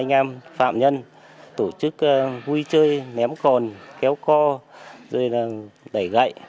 các anh em phạm nhân tổ chức vui chơi ném còn kéo co đẩy gậy